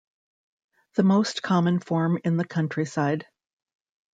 The most common form in the countryside.